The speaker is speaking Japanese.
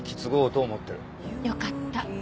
よかった。